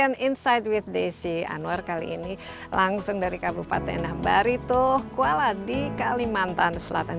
insight with desi anwar kali ini langsung dari kabupaten barito kuala di kalimantan selatan